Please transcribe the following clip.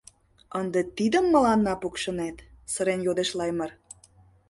— Ынде тидым мыланна пукшынет? — сырен йодеш Лаймыр.